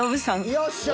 よっしゃ！